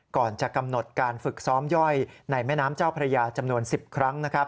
ก่อนจะกำหนดการฝึกซ้อมย่อยในแม่น้ำเจ้าพระยาจำนวน๑๐ครั้ง